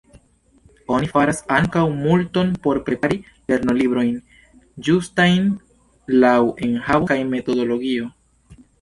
Oni faras ankaŭ multon por prepari lernolibrojn ĝustajn laŭ enhavo kaj metodologio.